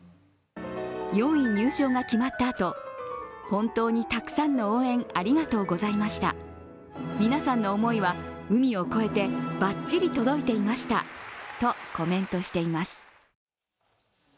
４位入賞が決まったあと、本当にたくさんの応援、ありがとうございました、皆さんの思いは海を越えてバッチリ届いていましたとコメントしています。